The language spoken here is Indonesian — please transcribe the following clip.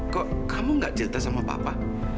kok kamu gak cerita sama papa